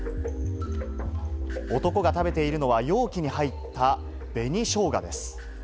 男が食べているのは容器に入った紅しょうがです。